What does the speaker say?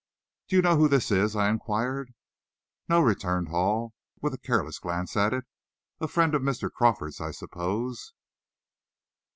"Do you know who this is?" I inquired. "No," returned Hall, with a careless glance at it; "a friend of Mr. Crawford's, I suppose."